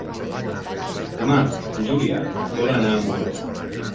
Demà en Julià vol anar a Muro.